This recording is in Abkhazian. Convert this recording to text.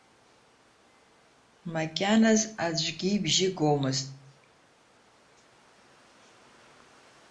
Макьаназ аӡәгьы ибжьы гомызт.